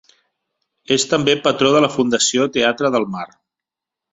És també patró de la Fundació Teatre del Mar.